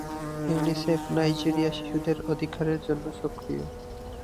UNICEF Nigeria শিশুদের অধিকারের জন্য সক্রিয়।